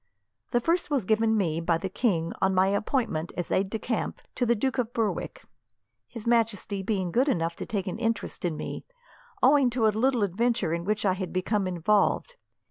The first was given me, by the king, on my appointment as aide de camp to the Duke of Berwick; His Majesty being good enough to take an interest in me, owing to a little adventure in which I had become involved.